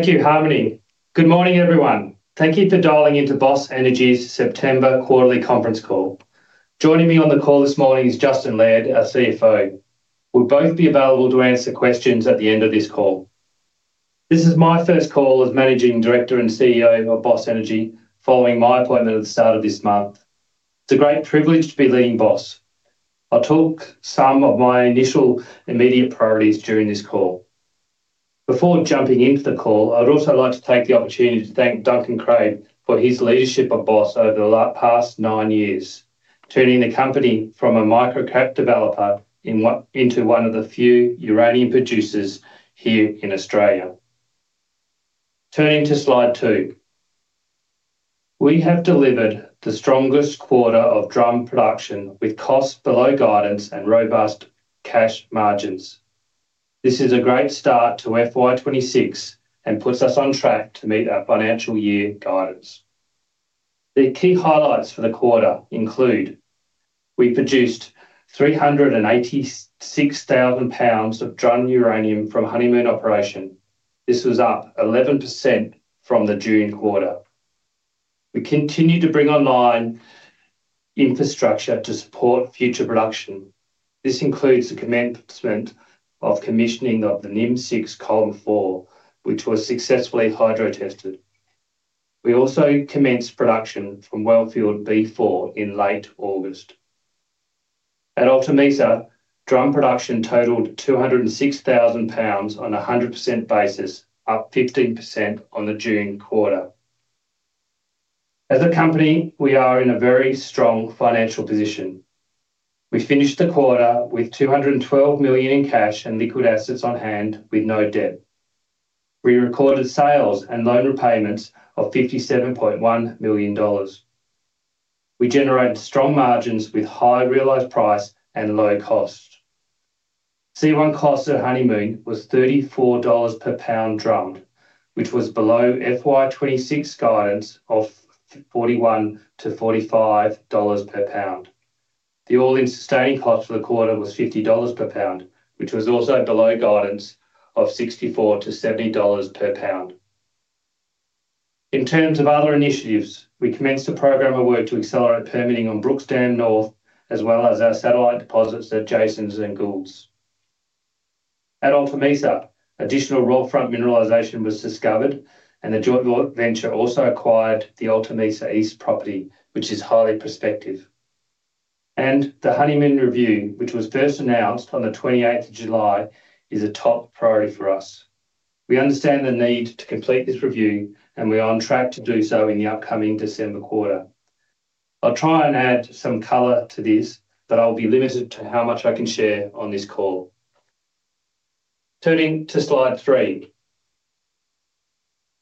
Thank you, Harmony. Good morning, everyone. Thank you for dialing into Boss Energy's September quarterly conference call. Joining me on the call this morning is Justin Laird, our CFO. We'll both be available to answer questions at the end of this call. This is my first call as Managing Director and CEO of Boss Energy, following my appointment at the start of this month. It's a great privilege to be leading Boss. I'll talk some of my initial immediate priorities during this call. Before jumping into the call, I'd also like to take the opportunity to thank Duncan Craib for his leadership of Boss over the past nine years, turning the company from a microcap developer into one of the few uranium producers here in Australia. Turning to slide two, we have delivered the strongest quarter of drum production with costs below guidance and robust cash margins. This is a great start to FY 2026 and puts us on track to meet our financial year guidance. The key highlights for the quarter include we produced 386,000 lbs of drum uranium from Honeymoon operation. This was up 11% from the June quarter. We continue to bring online infrastructure to support future production. This includes the commencement of commissioning of the NIMCIX Column 4, which was successfully hydro-tested. We also commenced production from wellfield B4 in late August. At Alta Mesa, drum production totaled 206,000 lbs on a 100% basis, up 15% on the June quarter. As a company, we are in a very strong financial position. We finished the quarter with 212 million in cash and liquid assets on hand, with no debt. We recorded sales and loan repayments of 57.1 million dollars. We generated strong margins with high realized price and low cost. C1 cost at Honeymoon was AUD 34/lbs drummed, which was below FY 2026 guidance of AUD 41/lbs-AUD 45/lbs. The all-in sustaining cost for the quarter was AUD 50/lbs, which was also below guidance of AUD 64/lbs-AUD 70/lbs. In terms of other initiatives, we commenced a program of work to accelerate permitting on Brooks Dam North, as well as our satellite deposits at Jason’s and Gould’s. At Alta Mesa, additional roll front mineralization was discovered, and the joint venture also acquired the Alta Mesa East property, which is highly prospective. The Honeymoon review, which was first announced on the 28th of July, is a top priority for us. We understand the need to complete this review, and we are on track to do so in the upcoming December quarter. I'll try and add some color to this, but I'll be limited to how much I can share on this call. Turning to slide three,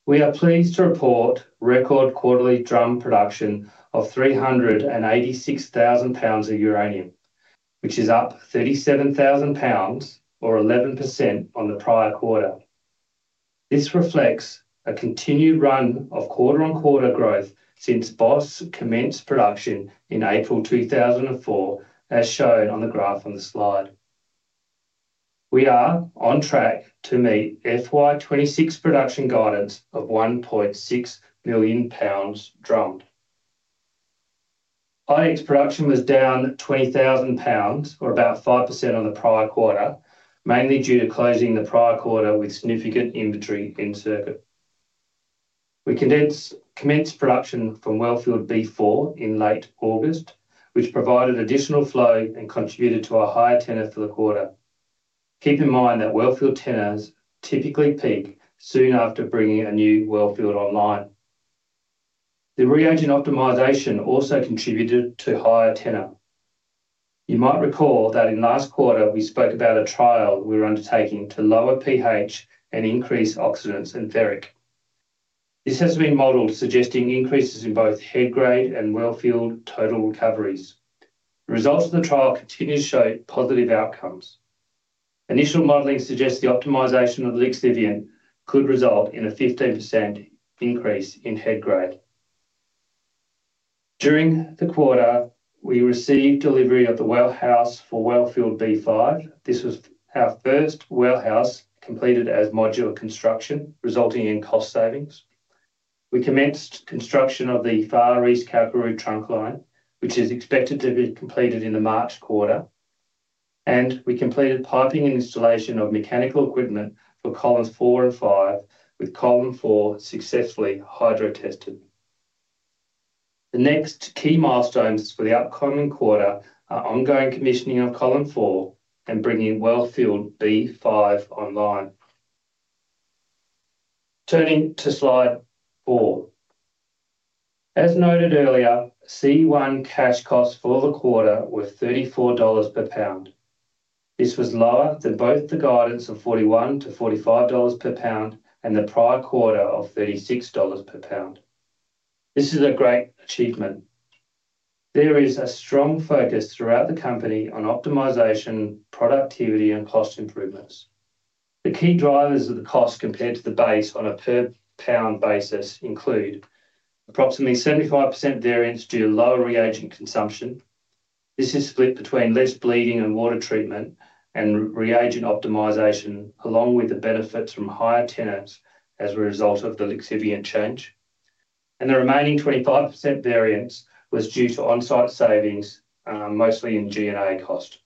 we are pleased to report record quarterly drum production of 386,000 lbs of uranium, which is up 37,000 lbs or 11% on the prior quarter. This reflects a continued run of quarter-on-quarter growth since Boss commenced production in April 2024, as shown on the graph on the slide. We are on track to meet FY 2026 production guidance of 1.6 million lbs drummed. IX production was down 20,000 lbs or about 5% on the prior quarter, mainly due to closing the prior quarter with significant inventory in circuit. We commenced production from wellfield B4 in late August, which provided additional flow and contributed to a higher tenor for the quarter. Keep in mind that wellfield tenors typically peak soon after bringing a new wellfield online. The reagent optimization also contributed to higher tenor. You might recall that in last quarter we spoke about a trial we were undertaking to lower pH and increase oxidants and ferric. This has been modeled, suggesting increases in both head grade and wellfield total recoveries. The results of the trial continue to show positive outcomes. Initial modeling suggests the optimization of lixiviant could result in a 15% increase in head grade. During the quarter, we received delivery of the well house for wellfield B5. This was our first well house completed as modular construction, resulting in cost savings. We commenced construction of the Far East Kalkaroo trunkline, which is expected to be completed in the March quarter, and we completed piping and installation of mechanical equipment for Columns 4 and 5, with Column 4 successfully hydro-tested. The next key milestones for the upcoming quarter are ongoing commissioning of Column 4 and bringing wellfield B5 online. Turning to slide four, as noted earlier, C1 cash costs for the quarter were 34 dollars/lbs. This was lower than both the guidance of 41/lbs-45 dollars/lbs and the prior quarter of 36 dollars/lbs. This is a great achievement. There is a strong focus throughout the company on optimization, productivity, and cost improvements. The key drivers of the cost compared to the base on a per pound basis include approximately 75% variance due to lower reagent consumption. This is split between less bleeding and water treatment and reagent optimization, along with the benefits from higher tenors as a result of the lixiviant change. The remaining 25% variance was due to on-site savings, mostly in G&A cost.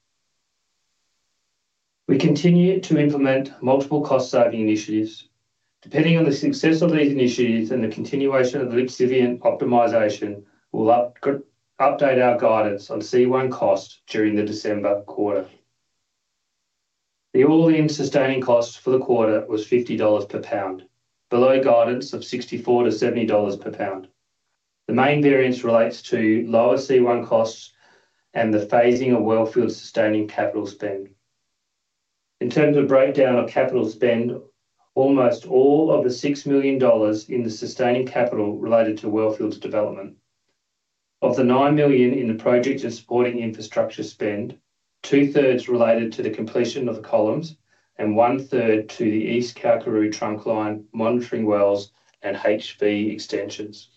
We continue to implement multiple cost-saving initiatives. Depending on the success of these initiatives and the continuation of the lixivian optimization, we'll update our guidance on C1 costs during the December quarter. The all-in sustaining cost for the quarter was 50 dollars/lbs, below guidance of 64/lbs-70 dollars/lbs. The main variance relates to lower C1 costs and the phasing of wellfield sustaining capital spend. In terms of breakdown of capital spend, almost all of the 6 million dollars in the sustaining capital related to wellfield development. Of the 9 million in the project of supporting infrastructure spend, 2/3 related to the completion of the columns and 1/3 to the East Kalkaroo trunkline, monitoring wells, and HV extensions.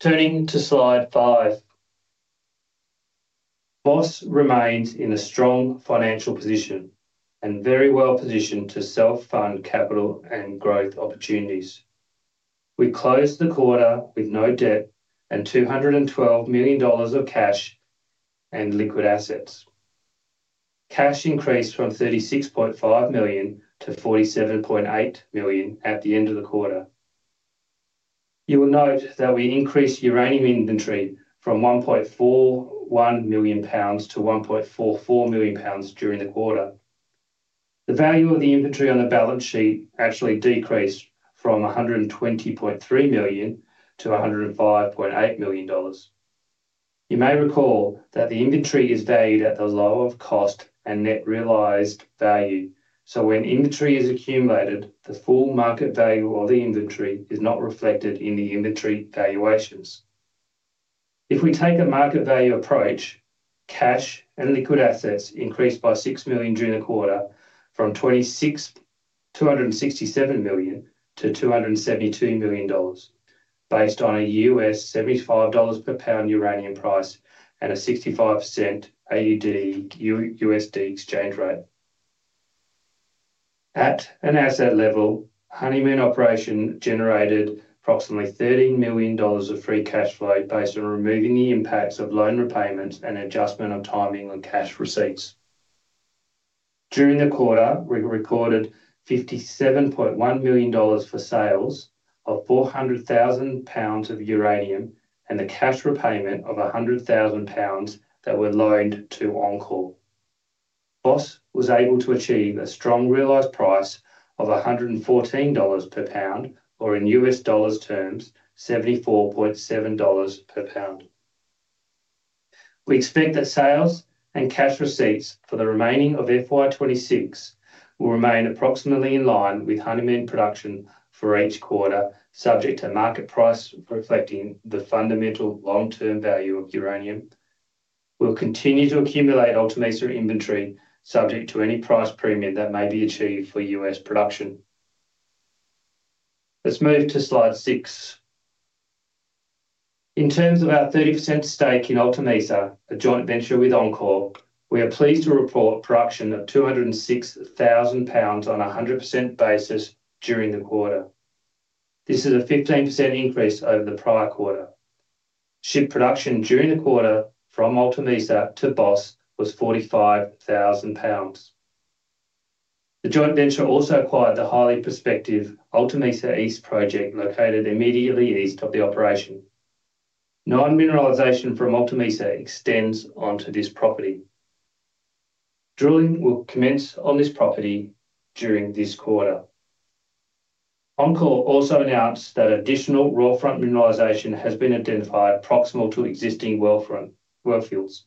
Turning to slide five, Boss remains in a strong financial position and very well positioned to self-fund capital and growth opportunities. We closed the quarter with no debt and 212 million dollars of cash and liquid assets. Cash increased from 36.5 million to 47.8 million at the end of the quarter. You will note that we increased uranium inventory from 1.41 million lbs to 1.44 million lbs during the quarter. The value of the inventory on the balance sheet actually decreased from 120.3 million to 105.8 million dollars. You may recall that the inventory is valued at the low of cost and net realized value. When inventory is accumulated, the full market value of the inventory is not reflected in the inventory valuations. If we take a market value approach, cash and liquid assets increased by 6 million during the quarter, from 267 million to 272 million dollars, based on a $75/lbs uranium price and a 65% AUD/USD exchange rate. At an asset level, Honeymoon operation generated approximately AUD 13 million of free cash flow based on removing the impacts of loan repayments and adjustment of timing on cash receipts. During the quarter, we recorded 57.1 million dollars for sales of 400,000 lbs of uranium and the cash repayment of 100,000 lbs that were loaned to enCore. Boss was able to achieve a strong realized price of 114 dollars/lbs, or in U.S. dollars terms, $74.7/lbs. We expect that sales and cash receipts for the remaining of FY 2026 will remain approximately in line with Honeymoon production for each quarter, subject to market price reflecting the fundamental long-term value of uranium. We'll continue to accumulate Alta Mesa inventory subject to any price premium that may be achieved for U.S. production. Let's move to slide six. In terms of our 30% stake in Alta Mesa, a joint venture with enCore, we are pleased to report production of 206,000 lbs on a 100% basis during the quarter. This is a 15% increase over the prior quarter. Ship production during the quarter from Alta Mesa to Boss was 45,000 lbs. The joint venture also acquired the highly prospective Alta Mesa East project, located immediately east of the operation. Non-mineralization from Alta Mesa extends onto this property. Drilling will commence on this property during this quarter. enCore also announced that additional roll front mineralization has been identified proximal to existing wellfield.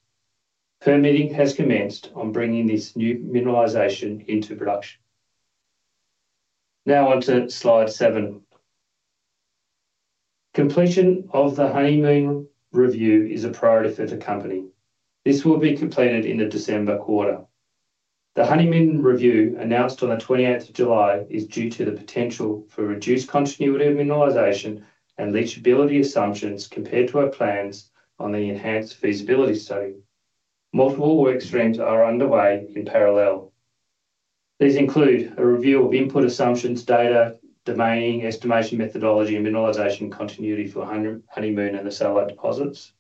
Permitting has commenced on bringing this new mineralization into production. Now on to slide seven. Completion of the Honeymoon review is a priority for the company. This will be completed in the December quarter. The Honeymoon review announced on the 28th of July is due to the potential for reduced continuity of mineralization and leachability assumptions compared to our plans on the enhanced feasibility study. Multiple work streams are underway in parallel. These include a review of input assumptions, data, domaining, estimation methodology, and mineralization continuity for Honeymoon and the satellite deposits,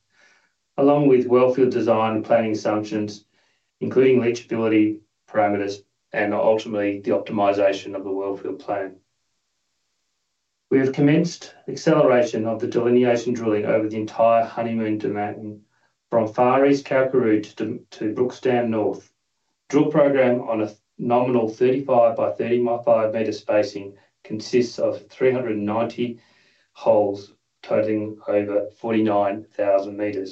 along with wellfield design and planning assumptions, including leachability parameters and ultimately the optimization of the wellfield plan. We have commenced the acceleration of the delineation drilling over the entire Honeymoon domain from Far East Kalkaroo to Brooks Dam North. Drill program on a nominal 35 m x 35 m spacing consists of 390 holes totaling over 49,000 m.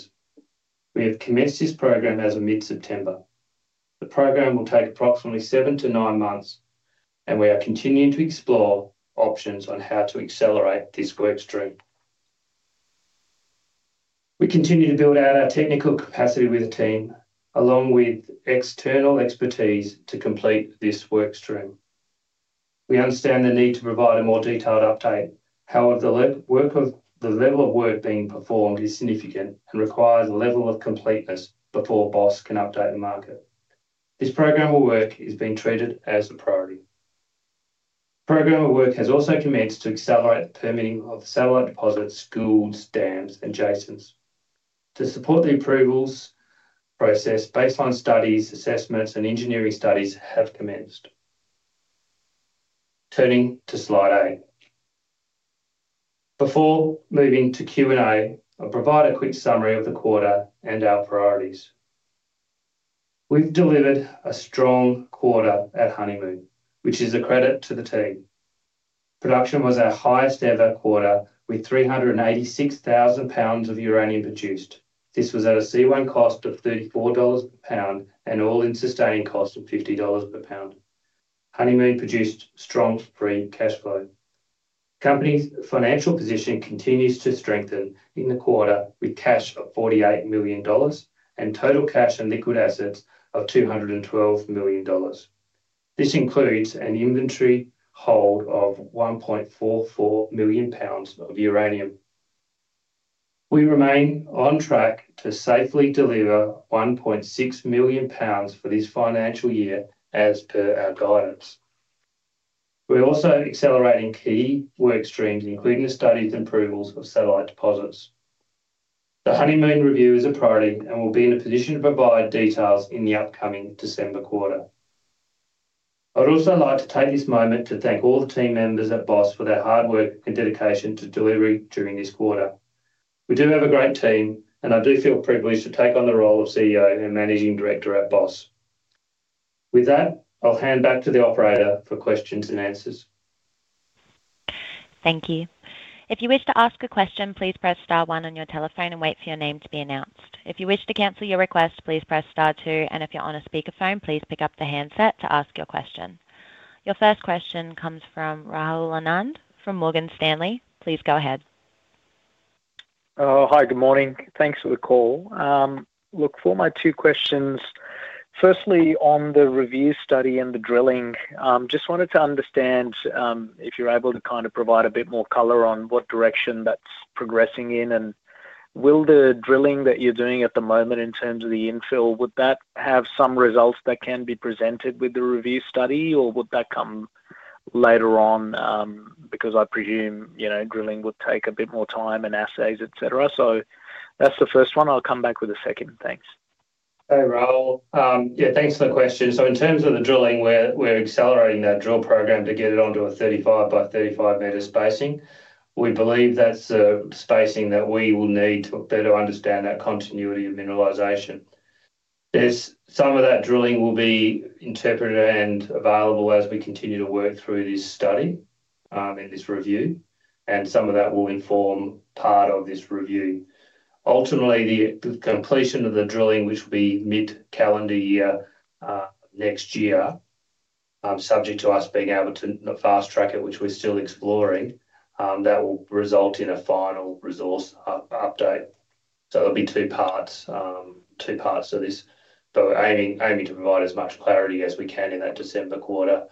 We have commenced this program as of mid-September. The program will take approximately seven to nine months, and we are continuing to explore options on how to accelerate this work stream. We continue to build out our technical capacity with the team, along with external expertise, to complete this work stream. We understand the need to provide a more detailed update. However, the level of work being performed is significant and requires a level of completeness before Boss can update the market. This program of work is being treated as a priority. The program of work has also commenced to accelerate the permitting of the satellite deposits, Gould’s Dam and Jason’s. To support the approvals process, baseline studies, assessments, and engineering studies have commenced. Turning to slide eight. Before moving to Q&A, I'll provide a quick summary of the quarter and our priorities. We've delivered a strong quarter at Honeymoon, which is a credit to the team. Production was our highest ever quarter, with 386,000 lbs of uranium produced. This was at a C1 cost of 34 dollars/lbs and all-in sustaining cost of 50 dollars/lbs. Honeymoon produced strong free cash flow. The company's financial position continues to strengthen in the quarter with cash of 48 million dollars and total cash and liquid assets of 212 million dollars. This includes an inventory hold of 1.44 million lbs of uranium. We remain on track to safely deliver 1.6 million lbs for this financial year, as per our guidance. We're also accelerating key work streams, including the studies and approvals of satellite deposits. The Honeymoon review is a priority and will be in a position to provide details in the upcoming December quarter. I'd also like to take this moment to thank all the team members at Boss for their hard work and dedication to delivery during this quarter. We do have a great team, and I do feel privileged to take on the role of CEO and Managing Director at Boss. With that, I'll hand back to the operator for questions and answers. Thank you. If you wish to ask a question, please press star one on your telephone and wait for your name to be announced. If you wish to cancel your request, please press star two, and if you're on a speaker phone, please pick up the handset to ask your question. Your first question comes from Rahul Anand from Morgan Stanley. Please go ahead. Hi, good morning. Thanks for the call. For my two questions, firstly, on the review study and the drilling, I just wanted to understand if you're able to provide a bit more color on what direction that's progressing in and will the drilling that you're doing at the moment in terms of the infill, would that have some results that can be presented with the review study, or would that come later on? I presume, you know, drilling would take a bit more time and assays, etc. That's the first one. I'll come back with a second. Thanks. Hey, Rahul. Yeah, thanks for the question. In terms of the drilling, we're accelerating that drill program to get it onto a 35 m x 35 m spacing. We believe that's the spacing that we will need to better understand that continuity of mineralization. Some of that drilling will be interpreted and available as we continue to work through this study and this review, and some of that will inform part of this review. Ultimately, the completion of the drilling, which will be mid-calendar year next year, subject to us being able to fast track it, which we're still exploring, will result in a final resource update. There'll be two parts, two parts of this, but we're aiming to provide as much clarity as we can in that December quarter.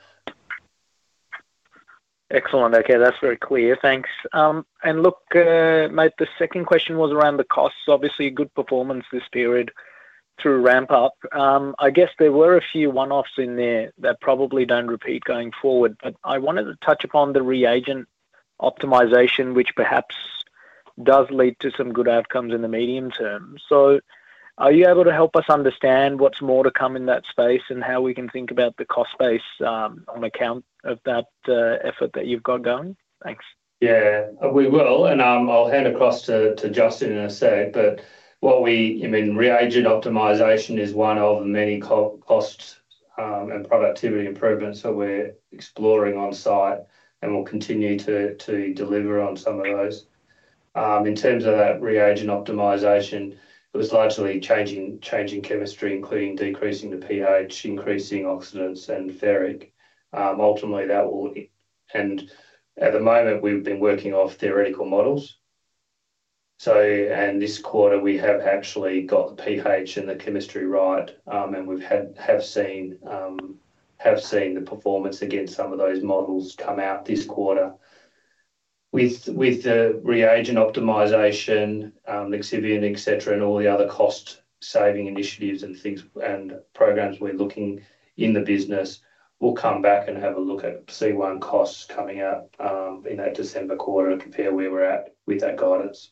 Excellent. Okay, that's very clear. Thanks. The second question was around the costs. Obviously, good performance this period through ramp up. I guess there were a few one-offs in there that probably don't repeat going forward, but I wanted to touch upon the reagent optimization, which perhaps does lead to some good outcomes in the medium term. Are you able to help us understand what's more to come in that space and how we can think about the cost space on account of that effort that you've got going? Thanks. Yeah, we will, and I'll hand across to Justin in a sec. What we, I mean, reagent optimization is one of many costs and productivity improvements that we're exploring on site, and we'll continue to deliver on some of those. In terms of that reagent optimization, it was largely changing chemistry, including decreasing the pH, increasing oxidants and ferric. Ultimately, that will, and at the moment, we've been working off theoretical models. This quarter, we have actually got the pH and the chemistry right, and we have seen the performance against some of those models come out this quarter. With the reagent optimization, lixiviant, etc., and all the other cost-saving initiatives and things and programs we're looking in the business, we'll come back and have a look at C1 costs coming up in that December quarter and compare where we're at with that guidance.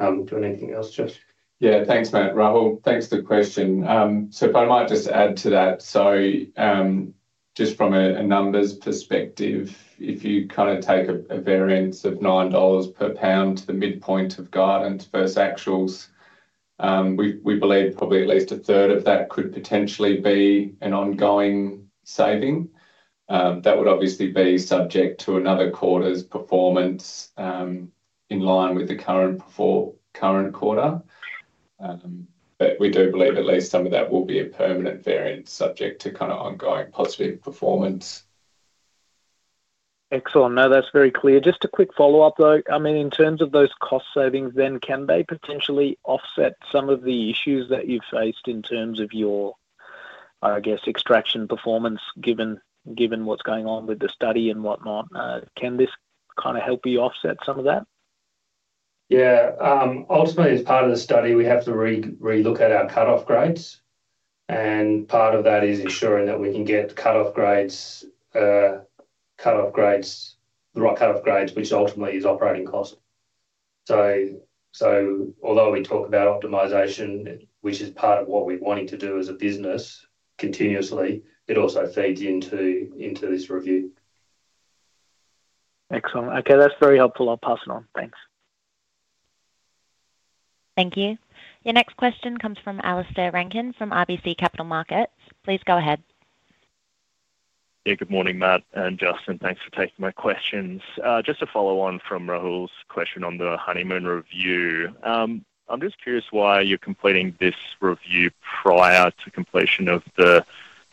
Do you want anything else, Jus? Yeah. Thanks, Matt. Rahul, thanks for the question. If I might just add to that. Just from a numbers perspective, if you kind of take a variance of 9 dollars/lbs to the midpoint of guidance versus actuals, we believe probably at least a third of that could potentially be an ongoing saving. That would obviously be subject to another quarter's performance in line with the current quarter. We do believe at least some of that will be a permanent variance subject to kind of ongoing positive performance. Excellent. No, that's very clear. Just a quick follow-up, though. In terms of those cost savings, can they potentially offset some of the issues that you've faced in terms of your, I guess, extraction performance given what's going on with the study and whatnot? Can this kind of help you offset some of that? Yeah. Ultimately, as part of the study, we have to relook at our cut-off grades, and part of that is ensuring that we can get cut-off grades, the right cut-off grades, which ultimately is operating cost. Although we talk about optimization, which is part of what we're wanting to do as a business continuously, it also feeds into this review. Excellent. Okay, that's very helpful. I'll pass it on. Thanks. Thank you. Your next question comes from Alistair Rankin from RBC Capital Markets. Please go ahead. Yeah, good morning, Matt and Justin. Thanks for taking my questions. Just a follow-on from Rahul's question on the Honeymoon review. I'm just curious why you're completing this review prior to completion of the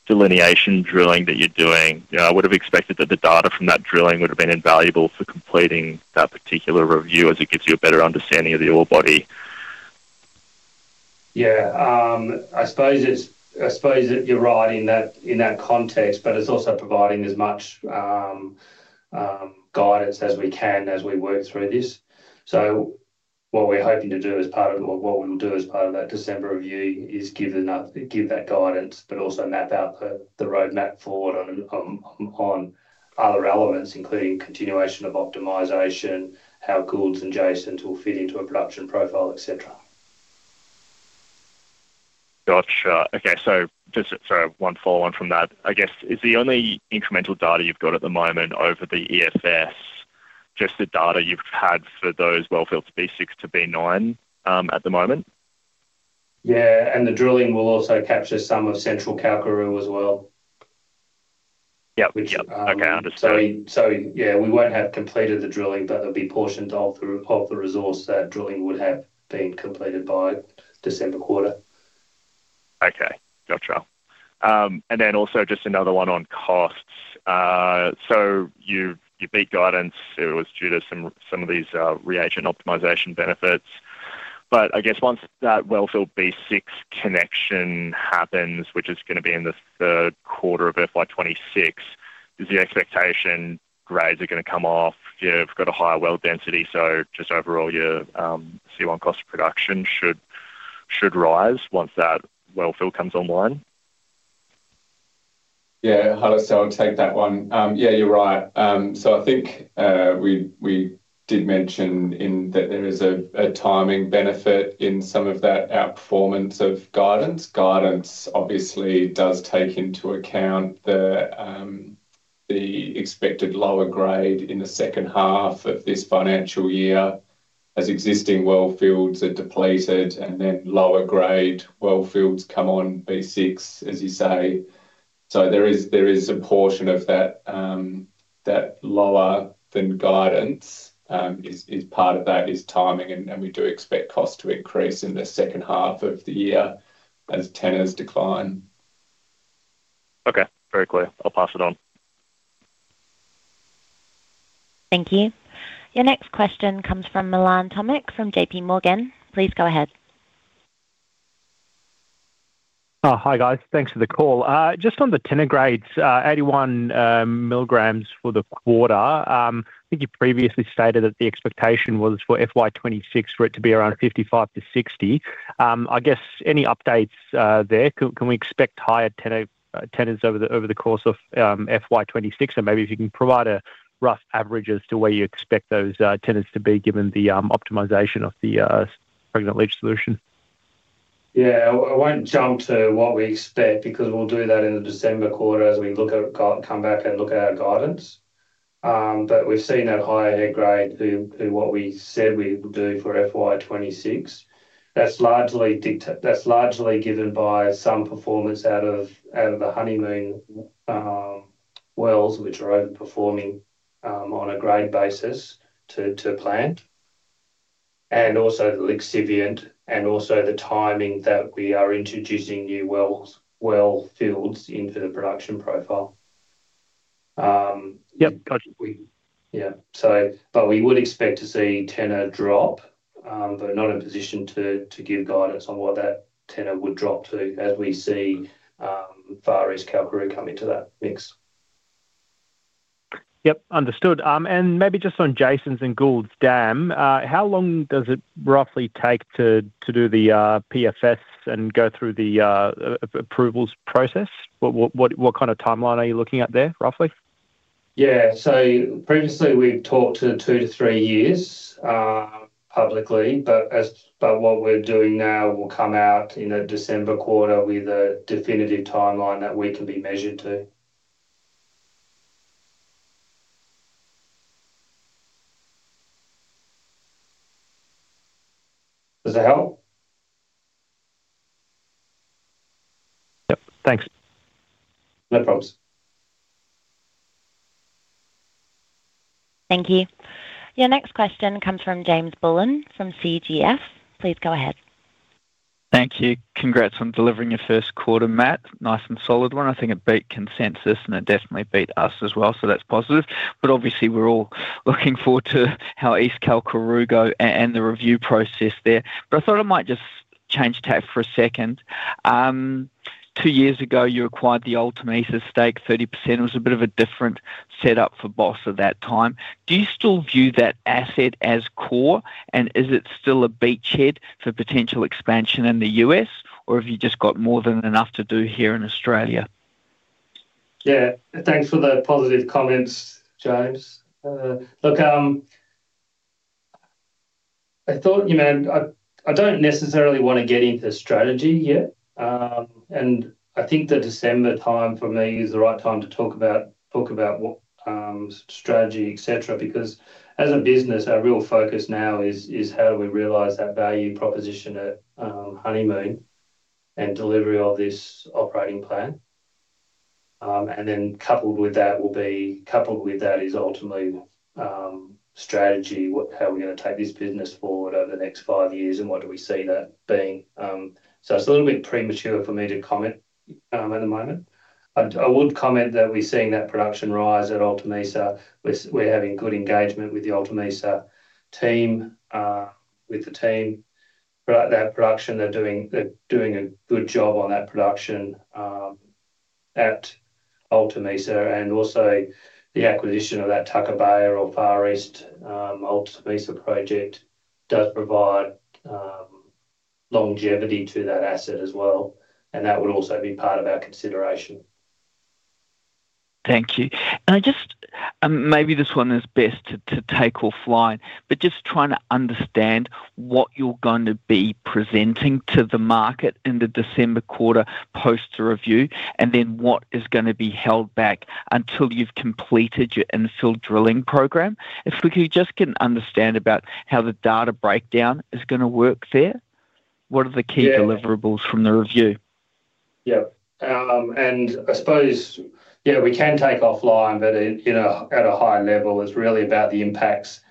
delineation drilling that you're doing. I would have expected that the data from that drilling would have been invaluable for completing that particular review, as it gives you a better understanding of the ore body. I suppose you're right in that context, but it's also providing as much guidance as we can as we work through this. What we're hoping to do as part of what we will do as part of that December review is give that guidance, but also map out the roadmap forward on other elements, including continuation of optimization, how Gould's and Jason's will fit into a production profile, etc. Gotcha. Okay, just for one follow-on from that, I guess, is the only incremental data you've got at the moment over the EFS just the data you've had for those wellfields B6 to B9 at the moment? Yeah, the drilling will also capture some of Central Kalkaroo as well. Yep, okay, understood. We won't have completed the drilling, but there'll be portions of the resource that drilling would have been completed by December quarter. Okay, gotcha. Also, just another one on costs. You beat guidance. It was due to some of these reagent optimization benefits. I guess once that wellfield B6 connection happens, which is going to be in the third quarter of FY 2026, is the expectation grades are going to come off? You've got a higher well density, so just overall your C1 cost of production should rise once that wellfield comes online? Yeah, Alistair, I'll take that one. You're right. I think we did mention that there is a timing benefit in some of that outperformance of guidance. Guidance obviously does take into account the expected lower grade in the second half of this financial year as existing wellfields are depleted and then lower grade wellfields come on, B6, as you say. There is a portion of that lower than guidance. Part of that is timing, and we do expect costs to increase in the second half of the year as tenors decline. Okay, very clear. I'll pass it on. Thank you. Your next question comes from Milan Tomic from JPMorgan. Please go ahead. Hi, guys. Thanks for the call. Just on the tenor grades, 81 mg for the quarter. I think you previously stated that the expectation was for FY 2026 for it to be around 55 mg-60 mg. I guess any updates there? Can we expect higher tenors over the course of FY 2026? Maybe if you can provide a rough average as to where you expect those tenors to be given the optimization of the pregnant leach solution. Yeah, I won't jump to what we expect because we'll do that in the December quarter as we come back and look at our guidance. We've seen that higher head grade to what we said we would do for FY 2026. That's largely given by some performance out of the Honeymoon wells, which are overperforming on a grade basis to plant, and also the lixiviant, and also the timing that we are introducing new wellfields into the production profile. Yep, gotcha. Yeah, we would expect to see tenor drop, but not in position to give guidance on what that tenor would drop to as we see Far East Kalkaroo come into that mix. Yep, understood. Maybe just on Jason’s and Gould’s Dam, how long does it roughly take to do the PFS and go through the approvals process? What kind of timeline are you looking at there, roughly? Previously we've talked two to three years publicly, but what we're doing now will come out in the December quarter with a definitive timeline that we can be measured to. Does that help? Yep, thanks. No problems. Thank you. Your next question comes from James Bullen from CGF. Please go ahead. Thank you. Congrats on delivering your first quarter, Matt. Nice and solid one. I think it beat consensus and it definitely beat us as well, so that's positive. Obviously, we're all looking forward to how East Kalkaroo go and the review process there. I thought I might just change tack for a second. Two years ago, you acquired the Alta Mesa stake, 30%. It was a bit of a different setup for Boss at that time. Do you still view that asset as core and is it still a beachhead for potential expansion in the U.S. or have you just got more than enough to do here in Australia? Yeah, thanks for the positive comments, James. Look, I thought, you know, I don't necessarily want to get into strategy yet. I think the December time for me is the right time to talk about what strategy, etc. Because as a business, our real focus now is how do we realize that value proposition at Honeymoon and delivery of this operating plan. Coupled with that is ultimately strategy, how we're going to take this business forward over the next five years and what do we see that being. It's a little bit premature for me to comment at the moment. I would comment that we're seeing that production rise at Alta Mesa. We're having good engagement with the Alta Mesa team, with the team for that production. They're doing a good job on that production at Alta Mesa. Also, the acquisition of that Far East Alta Mesa project does provide longevity to that asset as well. That would also be part of our consideration. Thank you. Maybe this one is best to take offline, but just trying to understand what you're going to be presenting to the market in the December quarter post-review and then what is going to be held back until you've completed your infill drilling program. If we could just get an understanding about how the data breakdown is going to work there. What are the key deliverables from the review? Yep. I suppose we can take offline, but at a high level, it's really about the impacts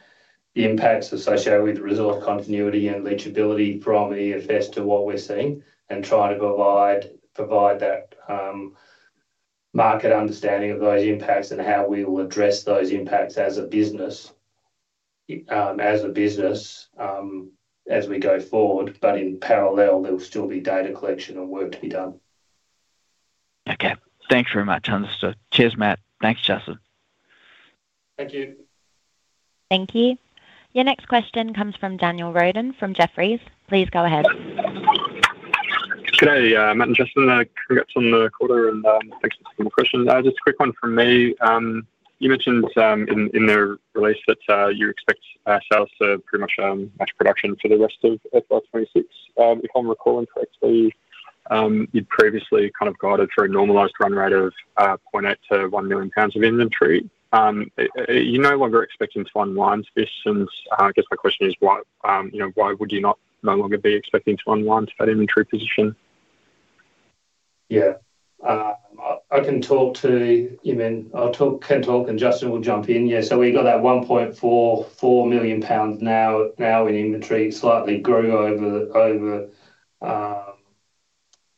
associated with resource continuity and leachability from EFS to what we're seeing and trying to provide that market understanding of those impacts and how we will address those impacts as a business as we go forward. In parallel, there will still be data collection and work to be done. Okay, thanks very much. Understood. Cheers, Matt. Thanks, Justin. Thank you. Thank you. Your next question comes from Daniel Roden from Jefferies. Please go ahead. Good day, Matt and Justin. Congrats on the quarter and thanks for the question. Just a quick one from me. You mentioned in the release that you expect sales to pretty much match production for the rest of FY 2026. If I'm recalling correctly, you'd previously kind of guided for a normalised run rate of 0.8 million lbs-1 million lbs of inventory. Are you no longer expecting to unwind this? My question is, why would you not be expecting to unwind that inventory position? I can talk to, I mean, I can talk and Justin will jump in. We've got that 1.44 million lbs now in inventory. It slightly grew over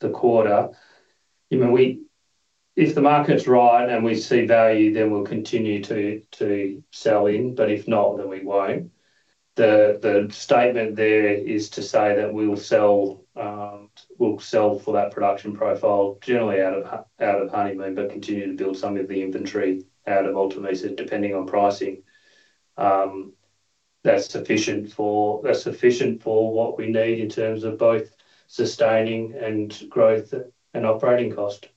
the quarter. If the market's right and we see value, then we'll continue to sell in, but if not, then we won't. The statement there is to say that we'll sell for that production profile generally out of Honeymoon, but continue to build some of the inventory out of Alta Mesa, depending on pricing. That's sufficient for what we need in terms of both sustaining and growth and operating cost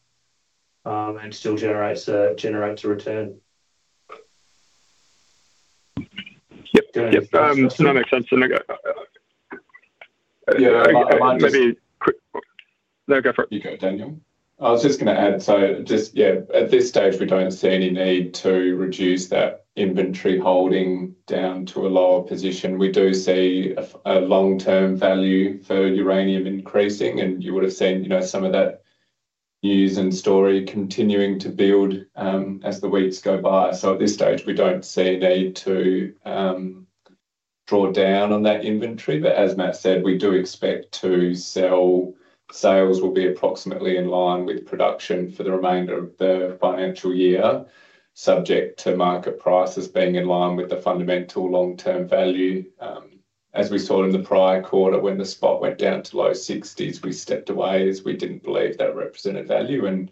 and still generates a return. Yep, that makes sense. I might just. No, go for it. You go, Daniel. I was just going to add, at this stage, we don't see any need to reduce that inventory holding down to a lower position. We do see a long-term value for uranium increasing, and you would have seen some of that news and story continuing to build as the weeks go by. At this stage, we don't see a need to draw down on that inventory, but as Matt said, we do expect to sell. Sales will be approximately in line with production for the remainder of the financial year, subject to market prices being in line with the fundamental long-term value. As we saw in the prior quarter when the spot went down to low 60, we stepped away as we didn't believe that represented value, and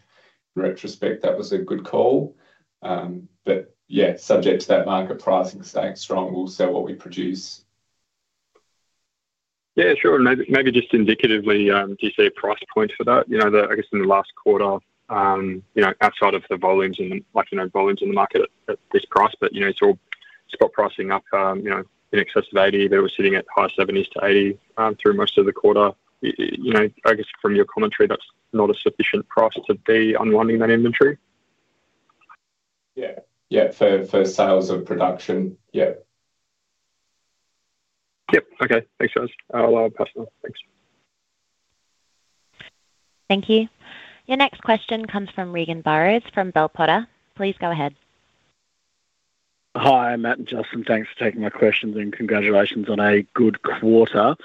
in retrospect, that was a good call. Subject to that market pricing staying strong, we'll sell what we produce. Sure. Maybe just indicatively, do you see a price point for that? I guess in the last quarter, outside of the volumes in the market at this price, it's all spot pricing up in excess of 80. They were sitting at high 70-80 through most of the quarter. I guess from your commentary, that's not a sufficient price to be unwinding that inventory. Yeah, for sales of production, yeah. Yep, okay. Thanks, guys. I'll pass it on. Thanks. Thank you. Your next question comes from Regan Burrows from Bell Potter. Please go ahead. Hi, Matt and Justin. Thanks for taking my questions and congratulations on a good quarter.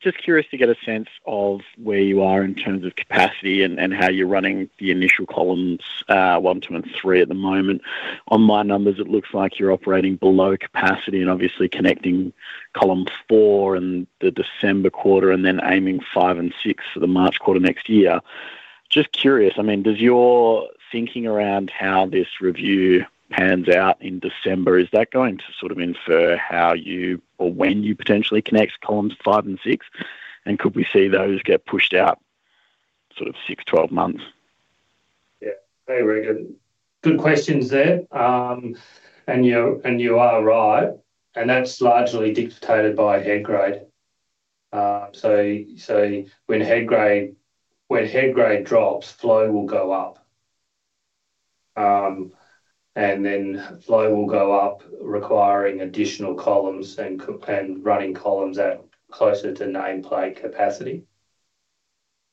Just curious to get a sense of where you are in terms of capacity and how you're running the initial Columns 1, 2, and 3 at the moment. On my numbers, it looks like you're operating below capacity and obviously connecting Column 4 in the December quarter and then aiming five and six for the March quarter next year. Just curious, does your thinking around how this review pans out in December, is that going to sort of infer how you or when you potentially connect Columns 5ive and 6? Could we see those get pushed out sort of 6-12 months? Yeah, hey Regan, good questions there. You are right. That's largely dictated by head grade. When head grade drops, flow will go up, and then flow will go up requiring additional columns and running columns at closer to nameplate capacity.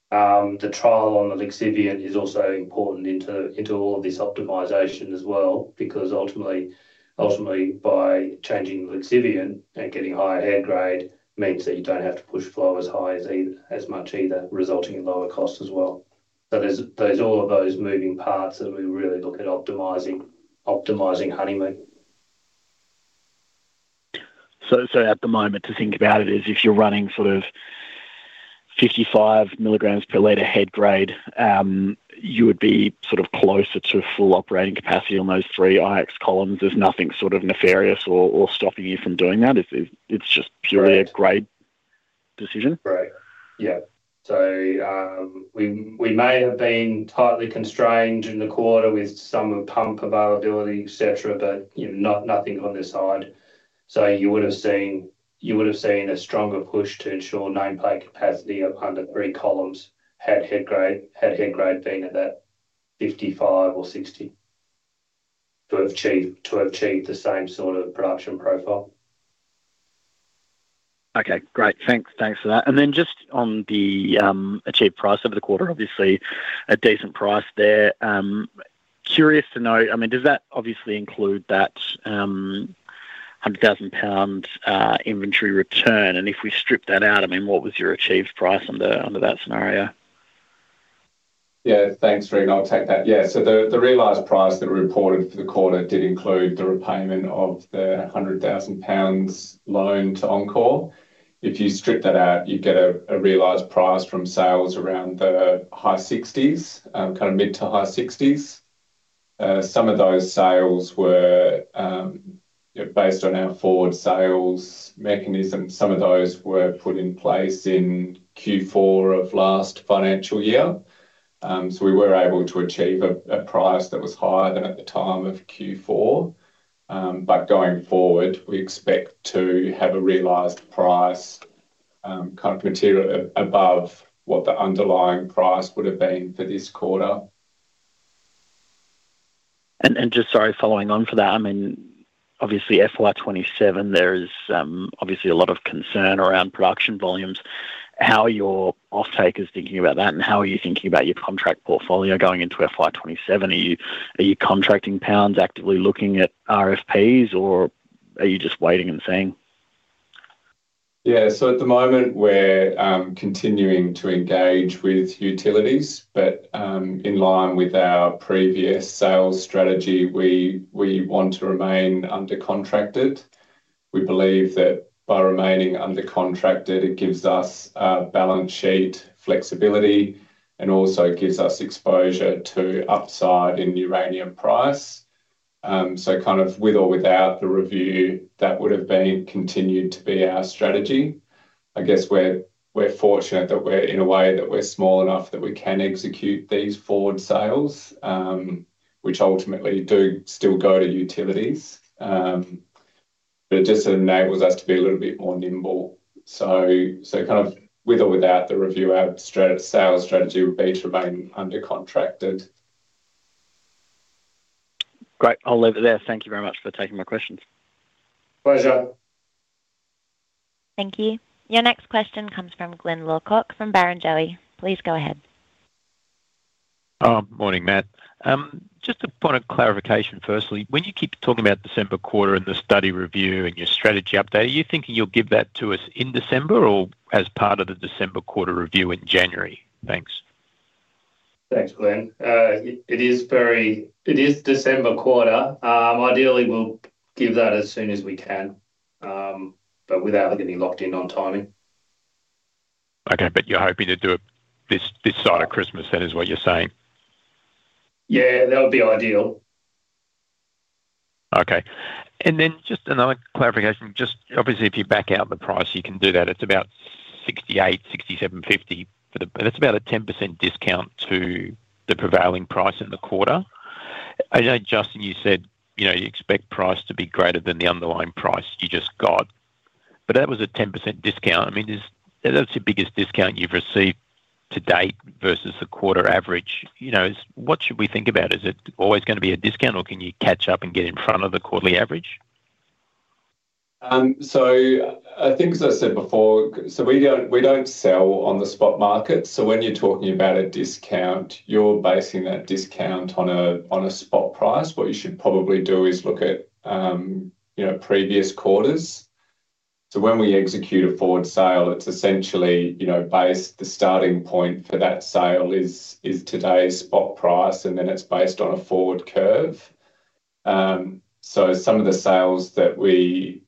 The trial on the lixivian is also important in all of this optimization as well because ultimately, by changing the lixivian and getting higher head grade, it means that you don't have to push flow as high either, resulting in lower costs as well. There are all of those moving parts that we really look at optimizing Honeymoon. At the moment, to think about it is if you're running sort of 55 mg per liter head grade, you would be sort of closer to full operating capacity on those three IX columns. There's nothing sort of nefarious or stopping you from doing that. It's just purely a grade decision. Right, yeah. We may have been tightly constrained in the quarter with some pump availability, etc., but nothing on this side. You would have seen a stronger push to ensure nameplate capacity up under three columns had head grade been at that 55 mg or 60 mg to have achieved the same sort of production profile. Okay, great. Thanks for that. Just on the achieved price over the quarter, obviously a decent price there. Curious to know, does that include that 100,000 lbs inventory return? If we strip that out, what was your achieved price under that scenario? Yeah, thanks, Regan. I'll take that. The realized price that we reported for the quarter did include the repayment of the 100,000 lbs loan to enCore. If you strip that out, you'd get a realized price from sales around the high 60/lbs, kind of mid to high 60/lbs. Some of those sales were based on our forward sales mechanism. Some of those were put in place in Q4 of last financial year. We were able to achieve a price that was higher than at the time of Q4. Going forward, we expect to have a realized price kind of material above what the underlying price would have been for this quarter. Sorry, following on from that, obviously FY 2027, there is obviously a lot of concern around production volumes. How are your off-takers thinking about that, and how are you thinking about your contract portfolio going into FY 2027? Are you contracting pounds, actively looking at RFPs, or are you just waiting and seeing? Yeah, at the moment, we're continuing to engage with utilities, but in line with our previous sales strategy, we want to remain undercontracted. We believe that by remaining undercontracted, it gives us balance sheet flexibility and also gives us exposure to upside in uranium price. Kind of with or without the review, that would have continued to be our strategy. I guess we're fortunate that we're in a way that we're small enough that we can execute these forward sales, which ultimately do still go to utilities. It just enables us to be a little bit more nimble. Kind of with or without the review, our sales strategy would be to remain undercontracted. Great. I'll leave it there. Thank you very much for taking my questions. Pleasure. Thank you. Your next question comes from Glyn Lawcock from Barrenjoey. Please go ahead. Morning, Matt. Just a point of clarification firstly, when you keep talking about December quarter and the study review and your strategy update, are you thinking you'll give that to us in December or as part of the December quarter review in January? Thanks. Thanks, Glyn. It is December quarter. Ideally, we'll give that as soon as we can, but without getting locked in on timing. Okay, but you're hoping to do it this side of Christmas, that is what you're saying? Yeah, that would be ideal. Okay. Just another clarification, obviously if you back out the price, you can do that. It's about 68, 67.50, and it's about a 10% discount to the prevailing price in the quarter. I know, Justin, you said you expect price to be greater than the underlying price you just got, but that was a 10% discount. Is that the biggest discount you've received to date versus the quarter average? What should we think about? Is it always going to be a discount or can you catch up and get in front of the quarterly average? As I said before, we don't sell on the spot market. When you're talking about a discount, you're basing that discount on a spot price. What you should probably do is look at previous quarters. When we execute a forward sale, the starting point for that sale is today's spot price, and then it's based on a forward curve. Some of the sales that we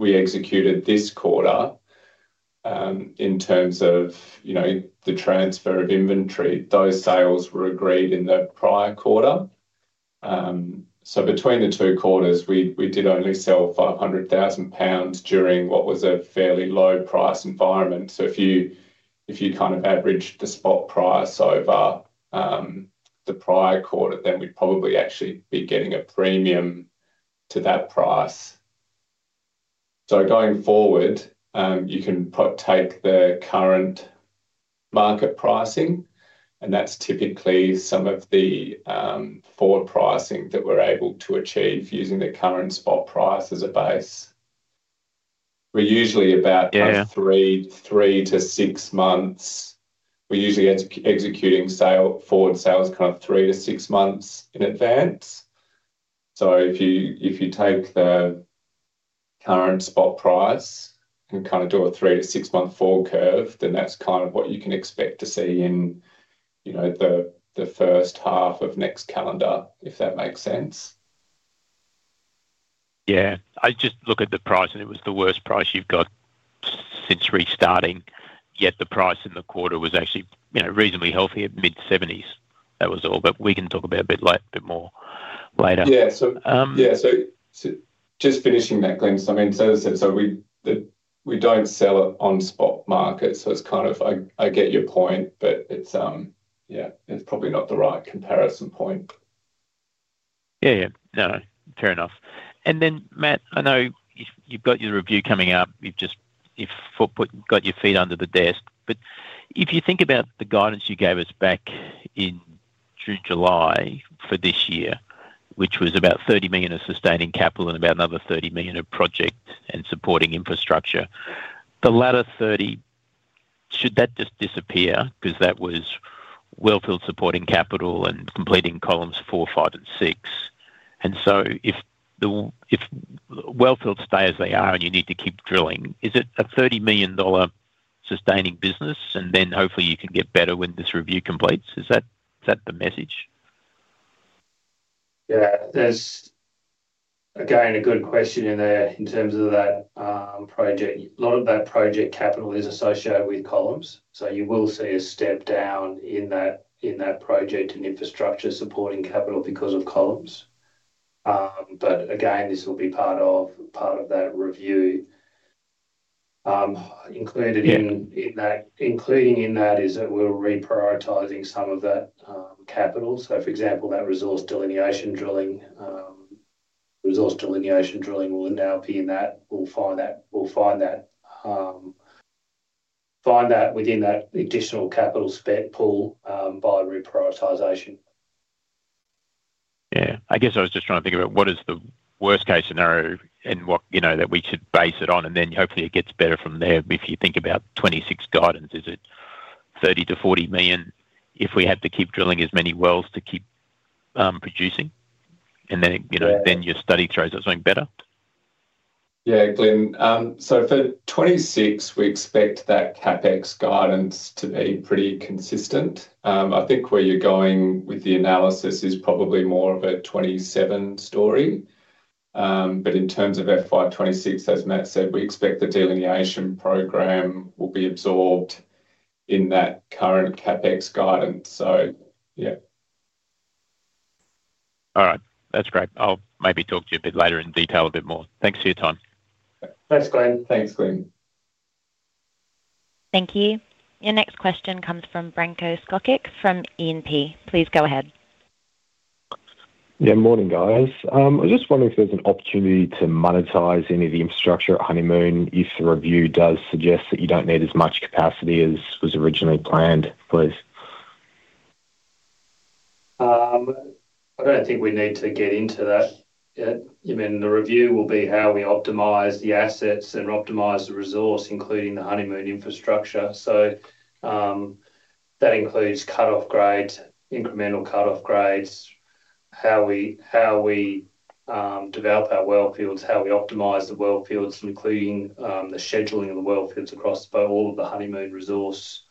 executed this quarter in terms of the transfer of inventory were agreed in the prior quarter. Between the two quarters, we did only sell 500,000 lbs during what was a fairly low price environment. If you average the spot price over the prior quarter, then we'd probably actually be getting a premium to that price. Going forward, you can take the current market pricing, and that's typically some of the forward pricing that we're able to achieve using the current spot price as a base. We're usually about three to six months. We're usually executing forward sales three to six months in advance. If you take the current spot price and do a three to six-month forward curve, then that's what you can expect to see in the first half of next calendar, if that makes sense. Yeah, I just look at the price and it was the worst price you've got since restarting. Yet the price in the quarter was actually, you know, reasonably healthy at mid-AUD 70. That was all. We can talk about it a bit more later. Yeah, just finishing that, Glyn. I mean, as I said, we don't sell it on spot markets. I get your point, but it's probably not the right comparison point. No, fair enough. Matt, I know you've got your review coming up. You've just got your feet under the desk. If you think about the guidance you gave us back in June, July for this year, which was about 30 million of sustaining capital and about another 30 million of project and supporting infrastructure, the latter 30 million, should that just disappear? That was wellfield supporting capital and completing Columns 4, 5, and 6. If wellfield stays as they are and you need to keep drilling, is it a 30 million dollar sustaining business? Hopefully you can get better when this review completes. Is that the message? Yeah, there's a good question in there in terms of that project. A lot of that project capital is associated with columns. You will see a step down in that project and infrastructure supporting capital because of columns. This will be part of that review. Included in that is that we're reprioritizing some of that capital. For example, that resource delineation drilling will now be in that. We'll find that within that additional capital spent pool by reprioritization. Yeah, I guess I was just trying to think about what is the worst-case scenario and what, you know, that we should base it on. Hopefully it gets better from there. If you think about 2026 guidance, is it 30 million-40 million if we had to keep drilling as many wells to keep producing? Then your study throws us something better. Yeah, Glyn. For 2026, we expect that CapEx guidance to be pretty consistent. I think where you're going with the analysis is probably more of a 2027 story. In terms of FY 2026, as Matt said, we expect the delineation program will be absorbed in that current CapEx guidance. All right, that's great. I'll maybe talk to you a bit later and detail a bit more. Thanks for your time. Thanks, Glyn. Thanks, Glyn. Thank you. Your next question comes from Branko Skocic from E&P. Please go ahead. Yeah, morning guys. I was just wondering if there's an opportunity to monetize any of the infrastructure at Honeymoon if the review does suggest that you don't need as much capacity as was originally planned, please. I don't think we need to get into that yet. I mean, the review will be how we optimize the assets and optimize the resource, including the Honeymoon infrastructure. That includes cut-off grade, incremental cut-off grades, how we develop our wellfields, how we optimize the wellfields, including the scheduling of the wellfields across all of the Honeymoon resource,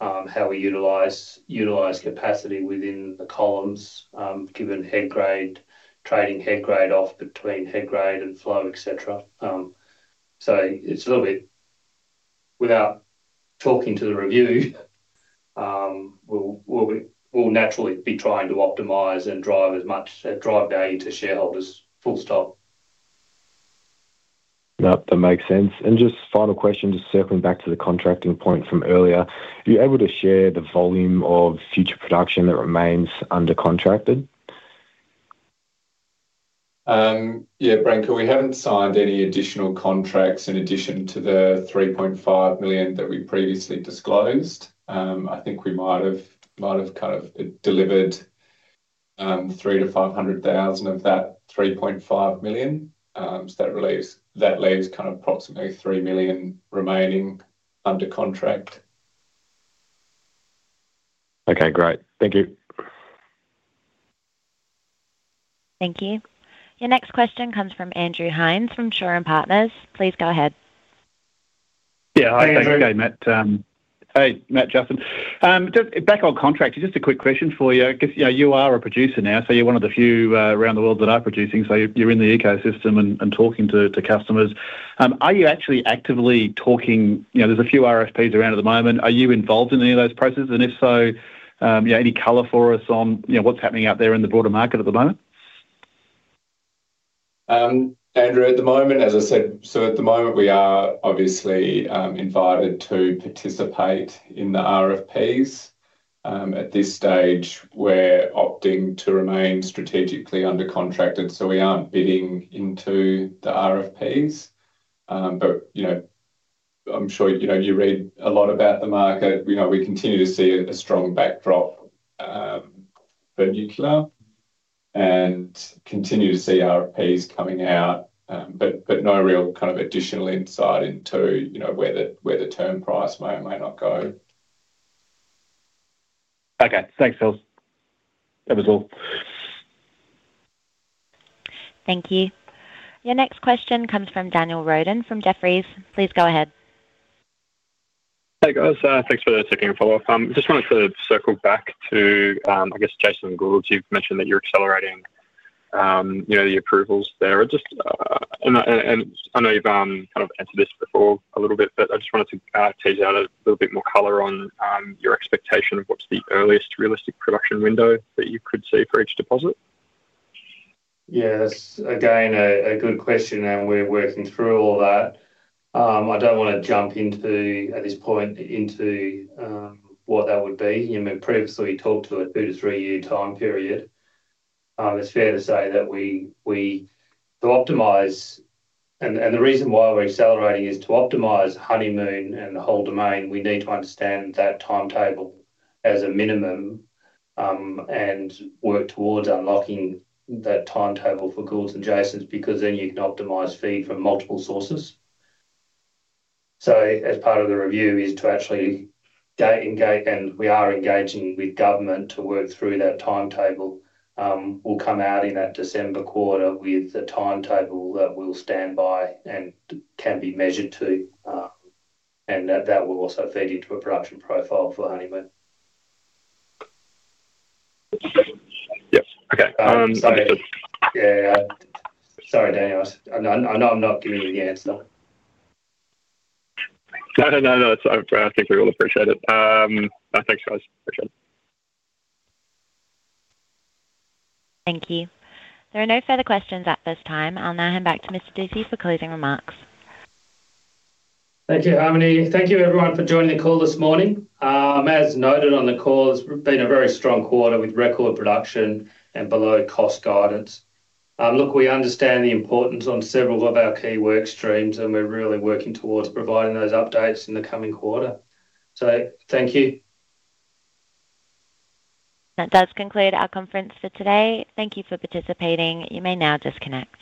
how we utilize capacity within the columns, given head grade, trading head grade off between head grade and flow, etc. It's a little bit, without talking to the review, we'll naturally be trying to optimize and drive as much value to shareholders. No, that makes sense. Just final question, just circling back to the contracting point from earlier, are you able to share the volume of future production that remains undercontracted? Yeah, Branko, we haven't signed any additional contracts in addition to the 3.5 million that we previously disclosed. I think we might have kind of delivered 300,000-500,000 of that 3.5 million. That leaves approximately 3 million remaining under contract. Okay, great. Thank you. Thank you. Your next question comes from Andrew Hines from Shaw and Partners. Please go ahead. Yeah, hi, thanks again, Matt. Hey, Matt, Justin. Back on contracts, just a quick question for you. I guess you are a producer now, so you're one of the few around the world that are producing. You're in the ecosystem and talking to customers. Are you actually actively talking? You know, there's a few RFPs around at the moment. Are you involved in any of those processes? If so, any color for us on what's happening out there in the broader market at the moment? Andrew, at the moment, as I said, we are obviously invited to participate in the RFPs. At this stage, we're opting to remain strategically undercontracted, so we aren't bidding into the RFPs. I'm sure you know you read a lot about the market. We continue to see a strong backdrop for nuclear and continue to see RFPs coming out, but no real kind of additional insight into where the term price may or may not go. Okay, thanks, fellas. That was all. Thank you. Your next question comes from Daniel Roden from Jefferies. Please go ahead. Hey guys, thanks for taking a follow-up. I just wanted to circle back to, I guess, Jason and Gould’s. You've mentioned that you're accelerating the approvals there. I know you've kind of answered this before a little bit, but I just wanted to tease out a little bit more color on your expectation of what's the earliest realistic production window that you could see for each deposit. Yes, again, a good question, and we're working through all that. I don't want to jump into at this point into what that would be. You know, we've previously talked to a two to three-year time period. It's fair to say that we, to optimize, and the reason why we're accelerating is to optimize Honeymoon and the whole domain. We need to understand that timetable as a minimum and work towards unlocking that timetable for Gould’s and Jason’s because then you can optimize feed from multiple sources. As part of the review is to actually engage, and we are engaging with government to work through that timetable. We'll come out in that December quarter with a timetable that will stand by and can be measured to, and that will also feed into a production profile for Honeymoon. Yep, okay. Understood. Yeah, sorry, Daniel. I know I'm not giving you the answer. I think we all appreciate it. Thanks, guys. Appreciate it. Thank you. There are no further questions at this time. I'll now hand back to Mr. Dusci for closing remarks. Thank you, Harmony. Thank you, everyone, for joining the call this morning. As noted on the call, it's been a very strong quarter with record production and below cost guidance. We understand the importance on several of our key work streams, and we're really working towards providing those updates in the coming quarter. Thank you. That does conclude our conference for today. Thank you for participating. You may now disconnect.